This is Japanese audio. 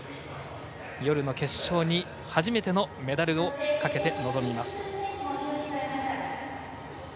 夜の決勝に初めてのメダルをかけて臨みます。